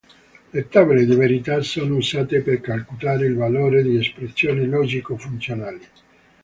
Le tabelle di verità sono usate per calcolare il valore di espressioni logico-funzionali.